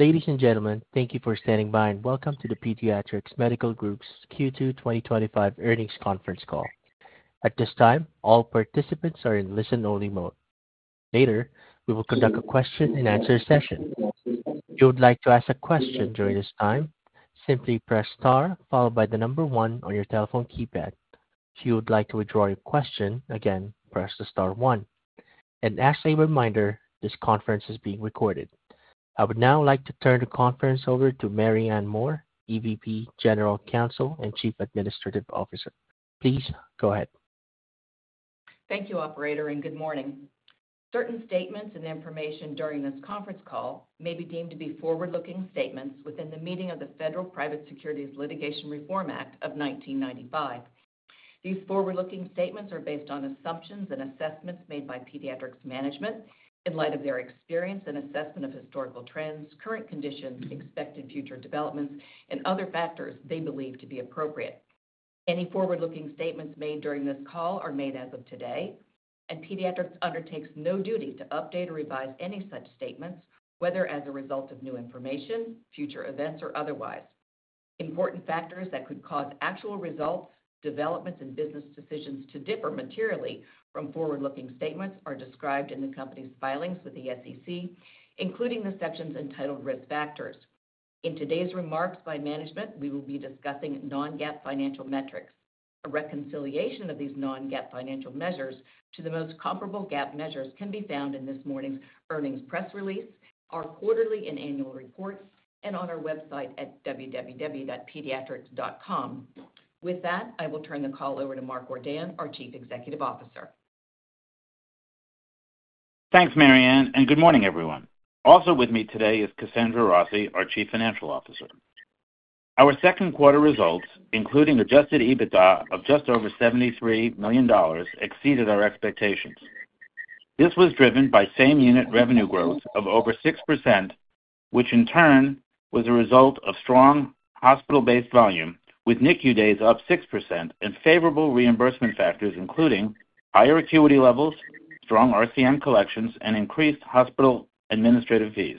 Ladies and gentlemen, thank you for standing by and welcome to the Pediatrix Medical Group's Q2 2025 Earnings Conference Call. At this time, all participants are in listen-only mode. Later, we will conduct a question-and-answer session. If you would like to ask a question during this time, simply press star followed by the number one on your telephone keypad. If you would like to withdraw your question, again, press the star one. As a reminder, this conference is being recorded. I would now like to turn the conference over to Mary Ann Moore, EVP, General Counsel, and Chief Administrative Officer. Please go ahead. Thank you, Operator, and good morning. Certain statements and information during this conference call may be deemed to be forward-looking statements within the meaning of the Federal Private Securities Litigation Reform Act of 1995. These forward-looking statements are based on assumptions and assessments made by Pediatrix management in light of their experience and assessment of historical trends, current conditions, expected future developments, and other factors they believe to be appropriate. Any forward-looking statements made during this call are made as of today, and Pediatrix undertakes no duty to update or revise any such statements, whether as a result of new information, future events, or otherwise. Important factors that could cause actual results, developments, and business decisions to differ materially from forward-looking statements are described in the company's filings with the SEC, including the sections entitled Risk Factors. In today's remarks by management, we will be discussing non-GAAP financial metrics. A reconciliation of these non-GAAP financial measures to the most comparable GAAP measures can be found in this morning's earnings press release, our quarterly and annual reports, and on our website at www.pediatrix.com. With that, I will turn the call over to Mark Ordan, our Chief Executive Officer. Thanks, Mary Ann, and good morning, everyone. Also with me today is Kasandra Rossi, our Chief Financial Officer. Our second quarter results, including adjusted EBITDA of just over $73 million, exceeded our expectations. This was driven by same-unit revenue growth of over 6%, which in turn was a result of strong hospital-based volume, with NICU days up 6% and favorable reimbursement factors, including higher acuity levels, strong RCM collections, and increased hospital administrative fees.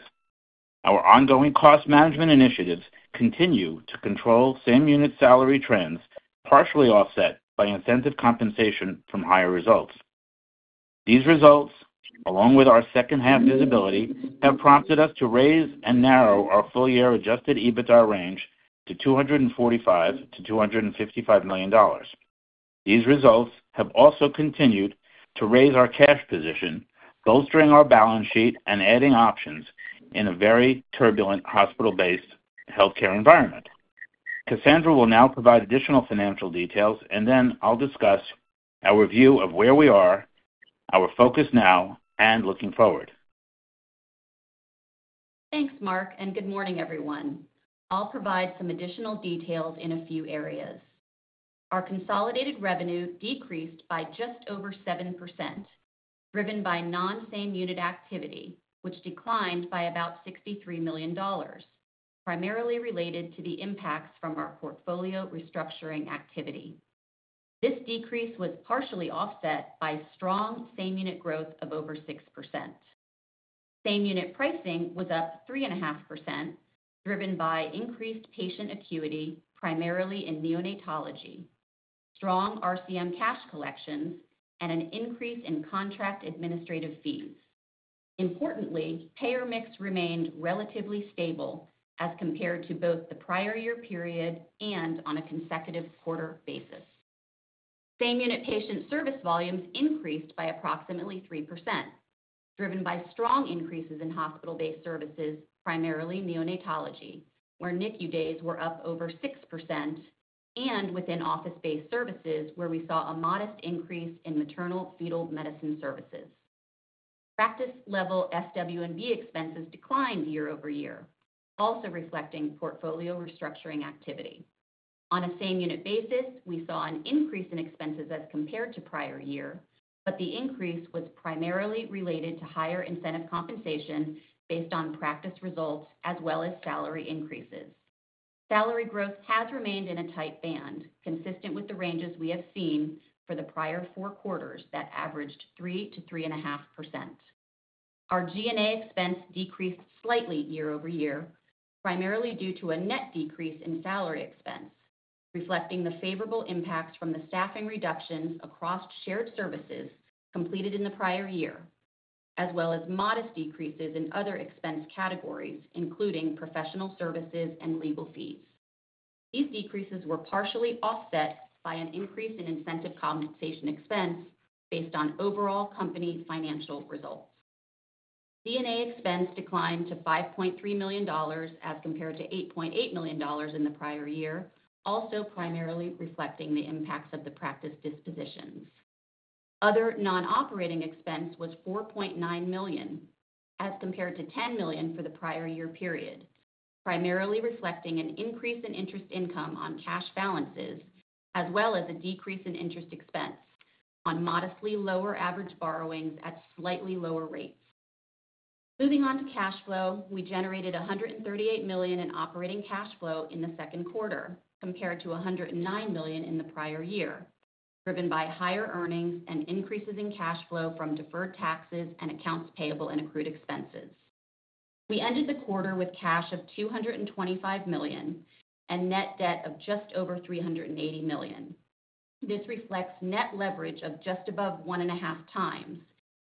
Our ongoing cost management initiatives continue to control same-unit salary trends, partially offset by incentive compensation from higher results. These results, along with our second-half visibility, have prompted us to raise and narrow our full-year adjusted EBITDA range to $245 million-$255 million. These results have also continued to raise our cash position, bolstering our balance sheet and adding options in a very turbulent hospital-based healthcare environment. Kasandra will now provide additional financial details, and then I'll discuss our view of where we are, our focus now, and looking forward. Thanks, Mark, and good morning, everyone. I'll provide some additional details in a few areas. Our consolidated revenue decreased by just over 7%, driven by non-same-unit activity, which declined by about $63 million, primarily related to the impacts from our portfolio restructuring activity. This decrease was partially offset by strong same-unit growth of over 6%. Same-unit pricing was up 3.5%, driven by increased patient acuity, primarily in neonatology, strong RCM cash collections, and an increase in contract administrative fees. Importantly, payer mix remained relatively stable as compared to both the prior year period and on a consecutive quarter basis. Same-unit patient service volumes increased by approximately 3%, driven by strong increases in hospital-based services, primarily neonatology, where NICU days were up over 6%, and within office-based services, where we saw a modest increase in maternal-fetal medicine services. Practice-level expenses declined year over year, also reflecting portfolio restructuring activity. On a same-unit basis, we saw an increase in expenses as compared to prior year, but the increase was primarily related to higher incentive compensation based on practice results as well as salary increases. Salary growth has remained in a tight band, consistent with the ranges we have seen for the prior four quarters that averaged 3%-3.5%. Our G&A expense decreased slightly year over year, primarily due to a net decrease in salary expense, reflecting the favorable impacts from the staffing reductions across shared services completed in the prior year, as well as modest decreases in other expense categories, including professional services and legal fees. These decreases were partially offset by an increase in incentive compensation expense based on overall company financial results. G&A expense declined to $5.3 million as compared to $8.8 million in the prior year, also primarily reflecting the impacts of the practice dispositions. Other non-operating expense was $4.9 million as compared to $10 million for the prior year period, primarily reflecting an increase in interest income on cash balances, as well as a decrease in interest expense on modestly lower average borrowings at slightly lower rates. Moving on to cash flow, we generated $138 million in operating cash flow in the second quarter, compared to $109 million in the prior year, driven by higher earnings and increases in cash flow from deferred taxes and accounts payable and accrued expenses. We ended the quarter with cash of $225 million and net debt of just over $380 million. This reflects net leverage of just above 1.5x,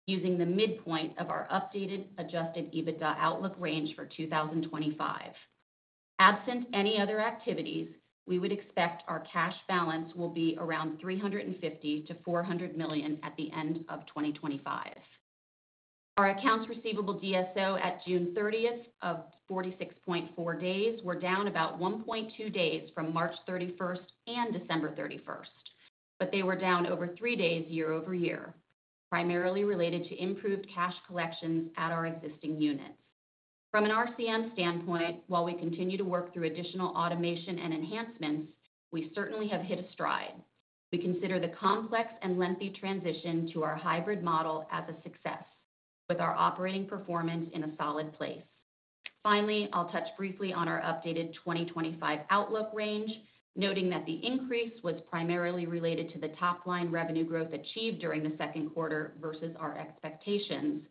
using the midpoint of our updated adjusted EBITDA outlook range for 2025. Absent any other activities, we would expect our cash balance will be around $350 million-$400 million at the end of 2025. Our accounts receivable DSO at June 30th of 46.4 days were down about 1.2 days from March 31st and December 31st, but they were down over three days year over year, primarily related to improved cash collections at our existing units. From an RCM standpoint, while we continue to work through additional automation and enhancements, we certainly have hit a stride. We consider the complex and lengthy transition to our hybrid model as a success, with our operating performance in a solid place. Finally, I'll touch briefly on our updated 2025 outlook range, noting that the increase was primarily related to the top line revenue growth achieved during the second quarter versus our expectations,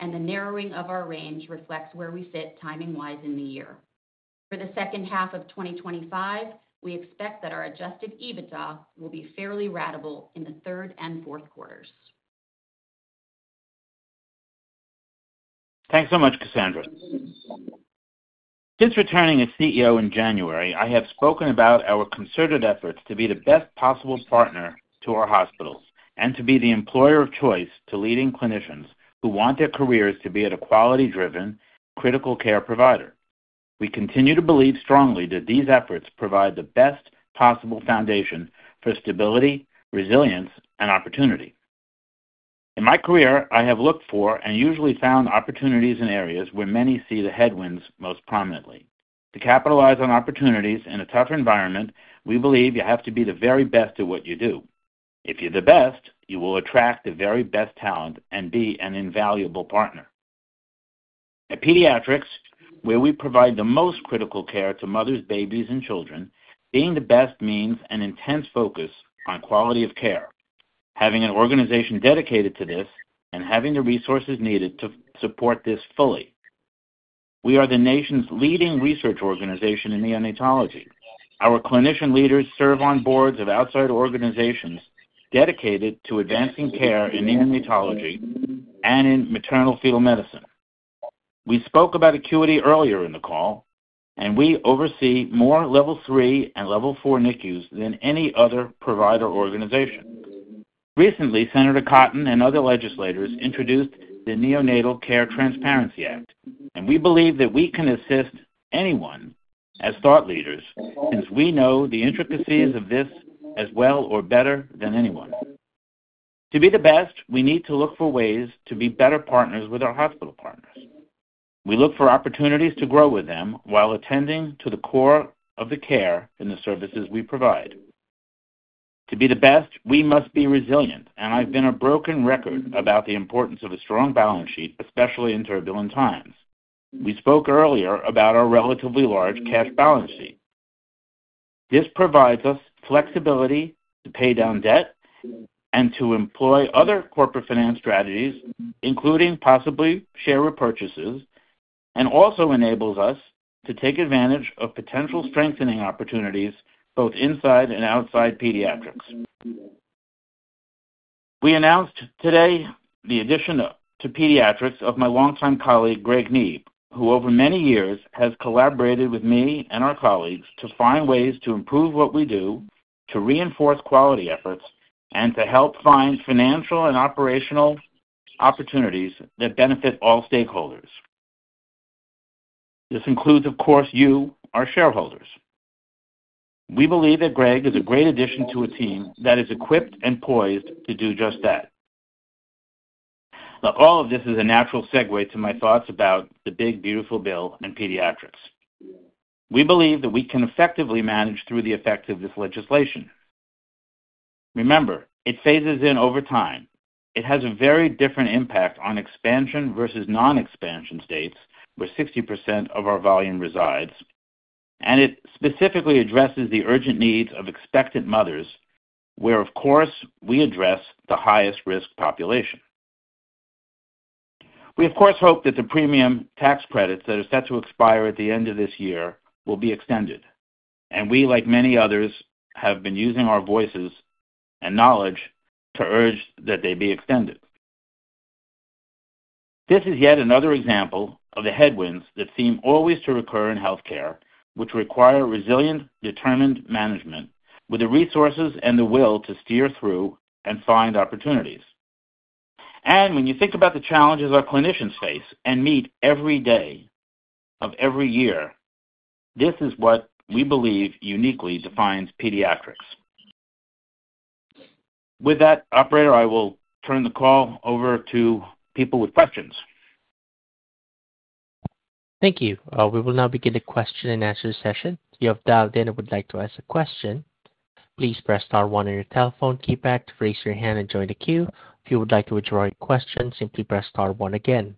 and the narrowing of our range reflects where we sit timing-wise in the year. For the second half of 2025, we expect that our adjusted EBITDA will be fairly ratable in the third and fourth quarters. Thanks so much, Kasandra. Since returning as CEO in January, I have spoken about our concerted efforts to be the best possible partner to our hospitals and to be the employer of choice to leading clinicians who want their careers to be at a quality-driven, critical care provider. We continue to believe strongly that these efforts provide the best possible foundation for stability, resilience, and opportunity. In my career, I have looked for and usually found opportunities in areas where many see the headwinds most prominently. To capitalize on opportunities in a tough environment, we believe you have to be the very best at what you do. If you're the best, you will attract the very best talent and be an invaluable partner. At Pediatrix, where we provide the most critical care to mothers, babies, and children, being the best means an intense focus on quality of care, having an organization dedicated to this, and having the resources needed to support this fully. We are the nation's leading research organization in neonatology. Our clinician leaders serve on boards of outside organizations dedicated to advancing care in neonatology and in maternal-fetal medicine. We spoke about acuity earlier in the call, and we oversee more Level III and Level IV NICUs than any other provider organization. Recently, Senator Cotton and other legislators introduced the Neonatal Care Transparency Act, and we believe that we can assist anyone as thought leaders since we know the intricacies of this as well or better than anyone. To be the best, we need to look for ways to be better partners with our hospital partners. We look for opportunities to grow with them while attending to the core of the care and the services we provide. To be the best, we must be resilient, and I've been a broken record about the importance of a strong balance sheet, especially in turbulent times. We spoke earlier about our relatively large cash balance sheet. This provides us flexibility to pay down debt and to employ other corporate finance strategies, including possibly share repurchases, and also enables us to take advantage of potential strengthening opportunities both inside and outside Pediatrix. We announced today the addition to Pediatrix of my longtime colleague, Greg Neeb, who over many years has collaborated with me and our colleagues to find ways to improve what we do, to reinforce quality efforts, and to help find financial and operational opportunities that benefit all stakeholders. This includes, of course, you, our shareholders. We believe that Greg is a great addition to a team that is equipped and poised to do just that. All of this is a natural segue to my thoughts about the big, beautiful bill in pediatrics. We believe that we can effectively manage through the effect of this legislation. Remember, it phases in over time. It has a very different impact on expansion versus non-expansion states, where 60% of our volume resides, and it specifically addresses the urgent needs of expectant mothers, where, of course, we address the highest-risk population. We, of course, hope that the premium tax credits that are set to expire at the end of this year will be extended, and we, like many others, have been using our voices and knowledge to urge that they be extended. This is yet another example of the headwinds that seem always to recur in healthcare, which require resilient, determined management with the resources and the will to steer through and find opportunities. When you think about the challenges our clinicians face and meet every day of every year, this is what we believe uniquely defines pediatrics. With that, Operator, I will turn the call over to people with questions. Thank you. We will now begin the question-and-answer session. If you have dialed in and would like to ask a question, please press star one on your telephone keypad to raise your hand and join the queue. If you would like to withdraw your question, simply press star one again.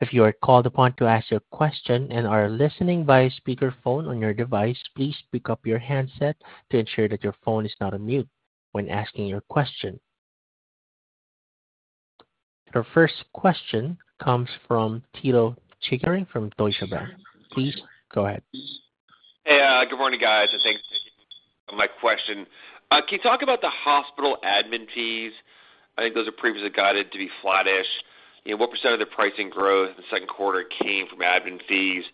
If you are called upon to ask your question and are listening via speakerphone on your device, please pick up your handset to ensure that your phone is not on mute when asking your question. Our first question comes from Pito Chickering from Deutsche Bank. Please go ahead. Hey, good morning, guys, and thanks for taking my question. Can you talk about the hospital administrative fees? I think those are previously guided to be flattish. What percentage of the pricing growth in the second quarter came from administrative fees?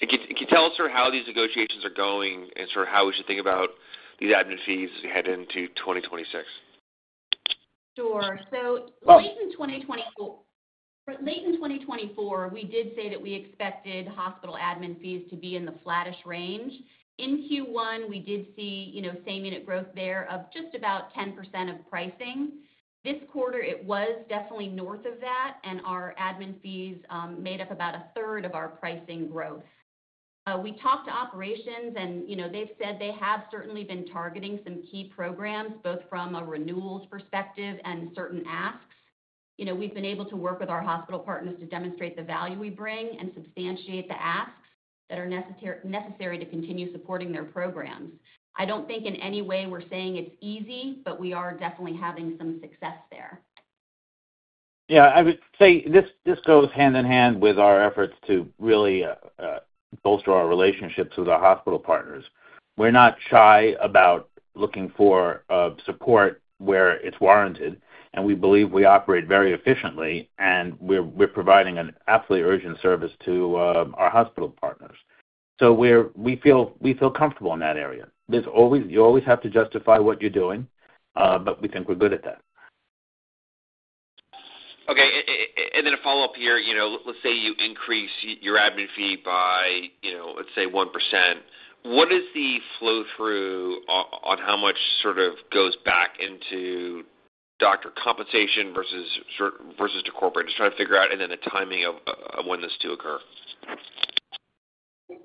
Can you tell us how these negotiations are going and how we should think about these administrative fees as we head into 2026? Even in 2024, late in 2024, we did say that we expected hospital administrative fees to be in the flattish range. In Q1, we did see same-unit growth there of just about 10% of pricing. This quarter, it was definitely north of that, and our administrative fees made up about a third of our pricing growth. We talked to operations, and they've said they have certainly been targeting some key programs, both from a renewals perspective and certain asks. We've been able to work with our hospital partners to demonstrate the value we bring and substantiate the asks that are necessary to continue supporting their programs. I don't think in any way we're saying it's easy, but we are definitely having some success there. Yeah, I would say this goes hand in hand with our efforts to really bolster our relationships with our hospital partners. We're not shy about looking for support where it's warranted, and we believe we operate very efficiently, and we're providing an absolutely urgent service to our hospital partners. We feel comfortable in that area. You always have to justify what you're doing, but we think we're good at that. Okay, and then a follow-up here, you know, let's say you increase your admin fee by, you know, let's say 1%. What is the flow-through on how much sort of goes back into doctor compensation versus to corporate? Just trying to figure out, and then the timing of when this to occur.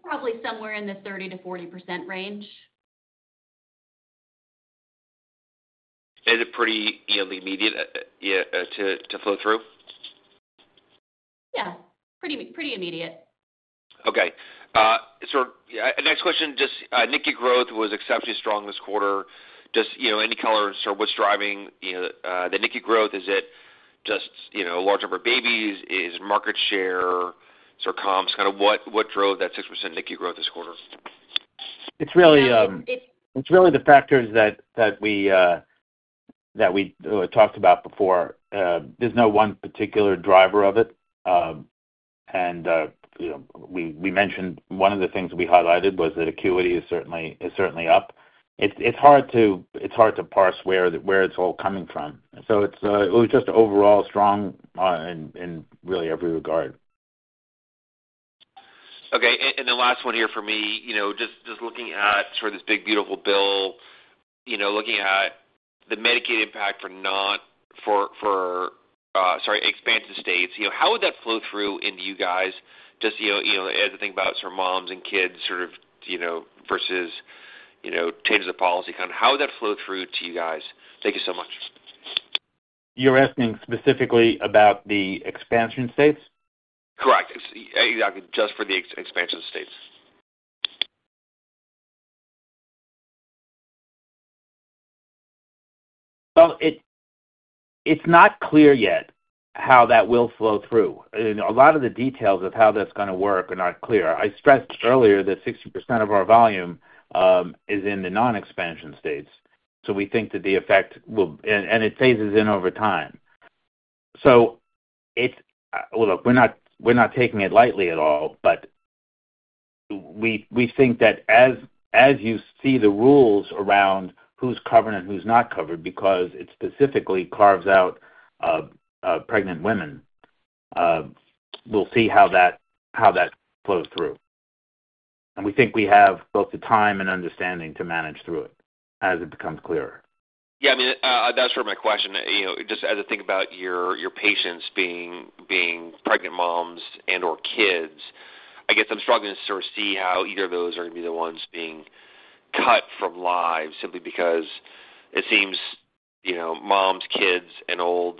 Probably somewhere in the 30%-40% range. Is it pretty, you know, immediate to flow through? Yeah, pretty immediate. Okay. Next question, just NICU growth was exceptionally strong this quarter. Just, you know, any colors, or what's driving, you know, the NICU growth? Is it just, you know, a large number of babies? Is it market share? Sort of comps, kind of what drove that 6% NICU growth this quarter? It's really the factors that we talked about before. There's no one particular driver of it. We mentioned one of the things we highlighted was that acuity is certainly up. It's hard to parse where it's all coming from. It was just overall strong in really every regard. Okay, and the last one here for me, just looking at sort of this big, beautiful bill, looking at the Medicaid impact for, sorry, non-expansion states, how would that flow through into you guys? Just as I think about sort of moms and kids versus changes of policy, kind of how would that flow through to you guys? Thank you so much. You're asking specifically about the expansion of states? Correct. Exactly. Just for the expansion of states. It is not clear yet how that will flow through, and a lot of the details of how that's going to work are not clear. I stressed earlier that 60% of our volume is in the non-expansion states. We think that the effect will, and it phases in over time. We are not taking it lightly at all, but we think that as you see the rules around who's covered and who's not covered, because it specifically carves out pregnant women, we'll see how that flows through. We think we have both the time and understanding to manage through it as it becomes clearer. Yeah, I mean, that was sort of my question. Just as I think about your patients being pregnant moms and/or kids, I guess I'm struggling to sort of see how either of those are going to be the ones being cut from live, simply because it seems moms, kids, and old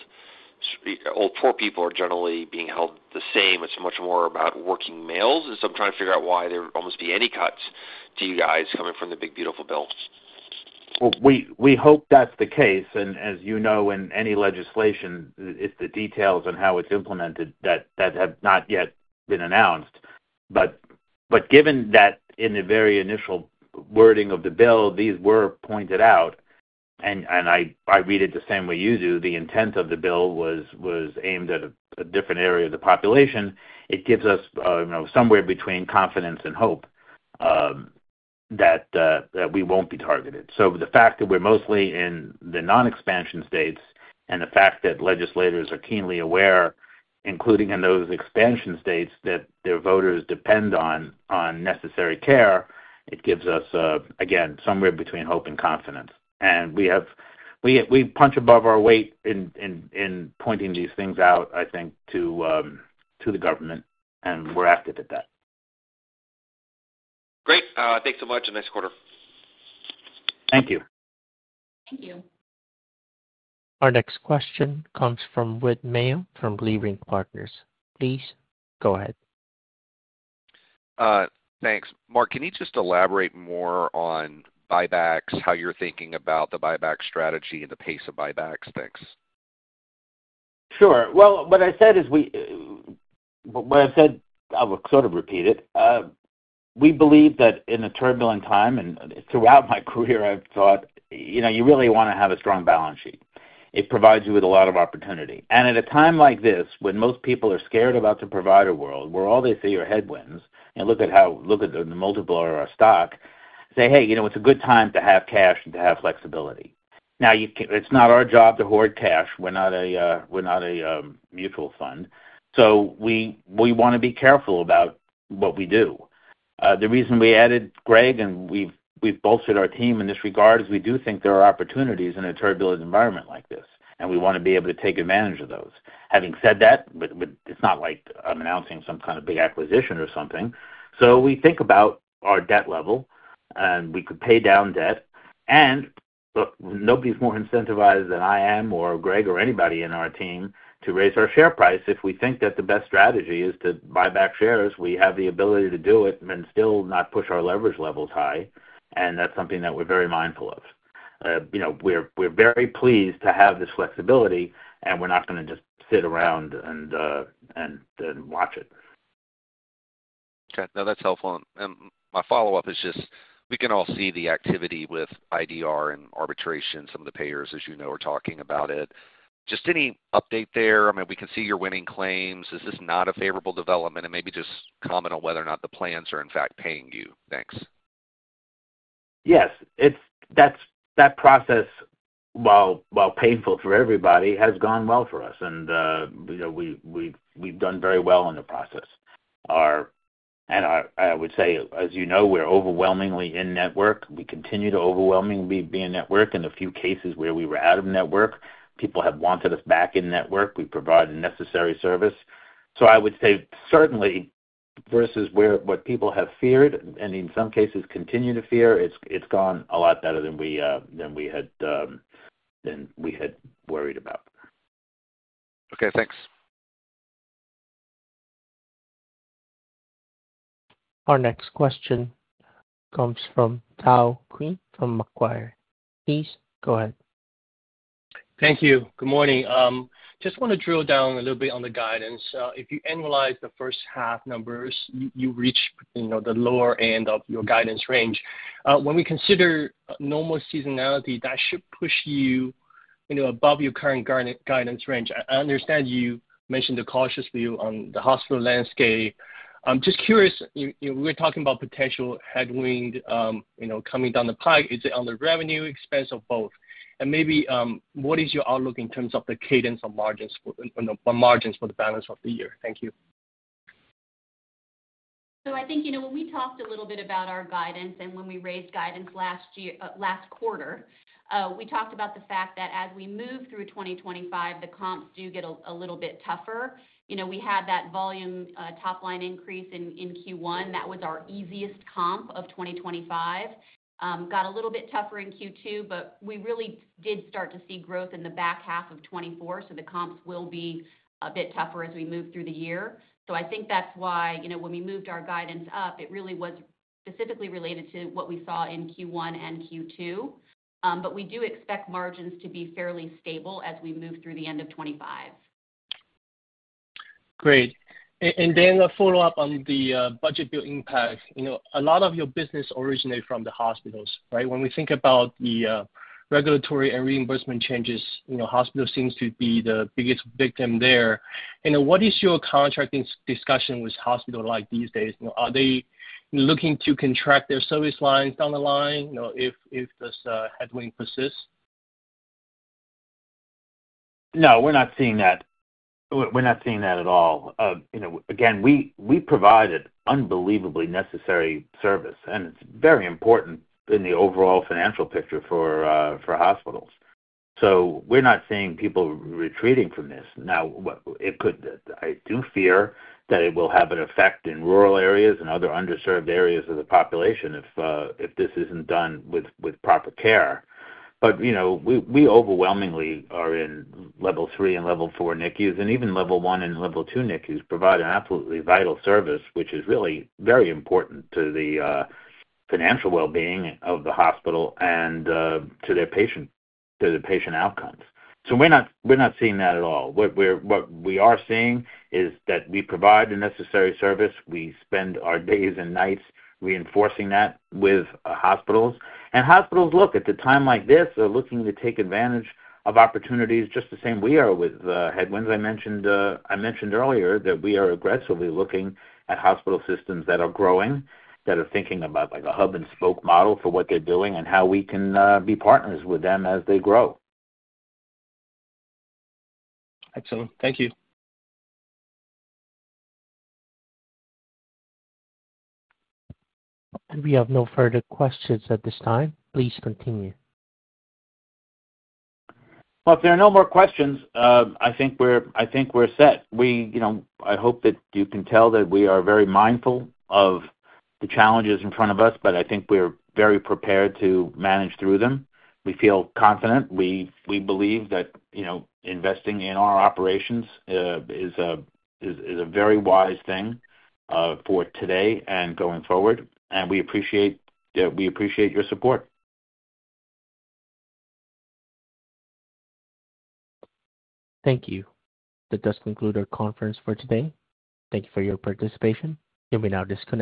poor people are generally being held the same. It's much more about working males. I'm trying to figure out why there would almost be any cuts to you guys coming from the big, beautiful bill. We hope that's the case. As you know, in any legislation, it's the details and how it's implemented that have not yet been announced. Given that in the very initial wording of the bill, these were pointed out, and I read it the same way you do, the intent of the bill was aimed at a different area of the population. It gives us somewhere between confidence and hope that we won't be targeted. The fact that we're mostly in the non-expansion states and the fact that legislators are keenly aware, including in those expansion states, that their voters depend on necessary care, gives us, again, somewhere between hope and confidence. We punch above our weight in pointing these things out, I think, to the government, and we're active at that. Great, thanks so much. Next quarter. Thank you. Thank you. Our next question comes from Whit Mayo from Leerink Partners. Please go ahead. Thanks. Mark, can you just elaborate more on buybacks, how you're thinking about the buyback strategy and the pace of buybacks? Thanks. Sure. What I've said, I will sort of repeat it. We believe that in a turbulent time, and throughout my career, I've thought, you know, you really want to have a strong balance sheet. It provides you with a lot of opportunity. At a time like this, when most people are scared about the provider world, where all they see are headwinds, and look at how, look at the multiple of our stock, say, hey, you know, it's a good time to have cash and to have flexibility. It's not our job to hoard cash. We're not a mutual fund. We want to be careful about what we do. The reason we added Greg and we've bolstered our team in this regard is we do think there are opportunities in a turbulent environment like this, and we want to be able to take advantage of those. Having said that, it's not like I'm announcing some kind of big acquisition or something. We think about our debt level, and we could pay down debt. Nobody's more incentivized than I am, or Greg, or anybody in our team to raise our share price. If we think that the best strategy is to buy back shares, we have the ability to do it and still not push our leverage levels high. That's something that we're very mindful of. We're very pleased to have this flexibility, and we're not going to just sit around and then watch it. Okay. No, that's helpful. My follow-up is just, we can all see the activity with the IDR process and arbitration. Some of the payers, as you know, are talking about it. Just any update there? I mean, we can see you're winning claims. Is this not a favorable development? Maybe just comment on whether or not the plans are in fact paying you. Thanks. Yes, that process, while painful for everybody, has gone well for us. We've done very well in the process. I would say, as you know, we're overwhelmingly in network. We continue to overwhelmingly be in network. In a few cases where we were out of network, people have wanted us back in network. We provide a necessary service. I would say certainly, versus what people have feared, and in some cases continue to fear, it's gone a lot better than we had worried about. Okay. Thanks. Our next question comes from Tao Qiu from Macquarie Research. Please go ahead. Thank you. Good morning. I just want to drill down a little bit on the guidance. If you analyze the first half numbers, you reach the lower end of your guidance range. When we consider normal seasonality, that should push you above your current guidance range. I understand you mentioned the cautious view on the hospital landscape. I'm just curious, we're talking about potential headwind coming down the pike. Is it on the revenue, expense, or both? Maybe what is your outlook in terms of the cadence of margins for the balance of the year? Thank you. I think, you know, when we talked a little bit about our guidance and when we raised guidance last quarter, we talked about the fact that as we move through 2025, the comps do get a little bit tougher. We had that volume top line increase in Q1. That was our easiest comp of 2025. It got a little bit tougher in Q2, but we really did start to see growth in the back half of 2024. The comps will be a bit tougher as we move through the year. I think that's why, you know, when we moved our guidance up, it really was specifically related to what we saw in Q1 and Q2. We do expect margins to be fairly stable as we move through the end of 2025. Great. A follow-up on the budget bill impact. A lot of your business originates from the hospitals, right? When we think about the regulatory and reimbursement changes, hospitals seem to be the biggest victim there. What is your contracting discussion with hospitals like these days? Are they looking to contract their service lines down the line if this headwind persists? No, we're not seeing that. We're not seeing that at all. We provided unbelievably necessary service, and it's very important in the overall financial picture for hospitals. We're not seeing people retreating from this. It could, I do fear that it will have an effect in rural areas and other underserved areas of the population if this isn't done with proper care. We overwhelmingly are in Level III and Level IV NICUs, and even Level I and Level II NICUs provide an absolutely vital service, which is really very important to the financial well-being of the hospital and to their patient outcomes. We're not seeing that at all. What we are seeing is that we provide the necessary service. We spend our days and nights reinforcing that with hospitals. Hospitals, at a time like this, are looking to take advantage of opportunities just the same we are with the headwinds. I mentioned earlier that we are aggressively looking at hospital systems that are growing, that are thinking about a hub and spoke model for what they're doing and how we can be partners with them as they grow. Excellent. Thank you. We have no further questions at this time. Please continue. If there are no more questions, I think we're set. You know, I hope that you can tell that we are very mindful of the challenges in front of us, but I think we're very prepared to manage through them. We feel confident. We believe that, you know, investing in our operations is a very wise thing for today and going forward. We appreciate your support. Thank you. That does conclude our conference for today. Thank you for your participation. You may now disconnect.